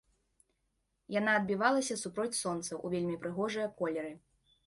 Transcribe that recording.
Яна адбівалася супроць сонца ў вельмі прыгожыя колеры.